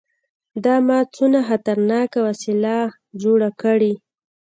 دا ما څونه خطرناکه وسله جوړه کړې.